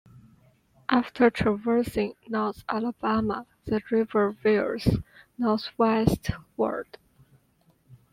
After traversing North Alabama, the river veers northwestward.